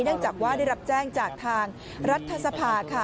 เนื่องจากว่าได้รับแจ้งจากทางรัฐสภาค่ะ